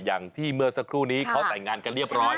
อย่างที่เมื่อสักครู่นี้เขาแต่งงานกันเรียบร้อย